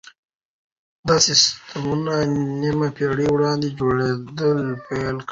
دا سيستمونه نيمه پېړۍ وړاندې جوړېدل پيل کړل.